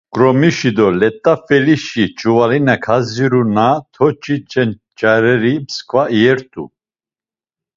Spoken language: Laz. K̆romişi do let̆afelişi ç̌uvalina koziru na t̆oçi cenç̌areri, msǩva iyert̆u.